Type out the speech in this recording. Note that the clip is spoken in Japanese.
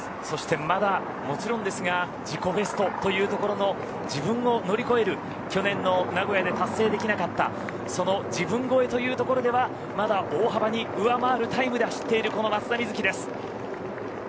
そして、まだもちろんですが自己ベストというところの自分を乗り越える去年の名古屋で達成できなかったその自分超えというところではまだ大幅に上回るタイムで走っているこの松田瑞生です。